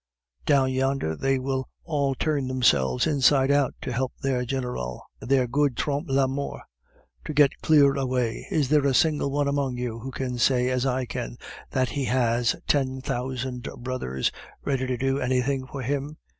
Down yonder they will all turn themselves inside out to help their general their good Trompe la Mort to get clear away. Is there a single one among you that can say, as I can, that he has ten thousand brothers ready to do anything for him?"